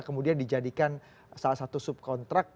kemudian dijadikan salah satu subkontrak